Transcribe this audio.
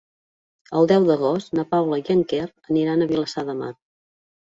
El deu d'agost na Paula i en Quer aniran a Vilassar de Mar.